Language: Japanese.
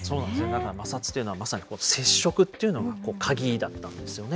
だから摩擦というのは、まさに接触っていうのが鍵だったんですよね。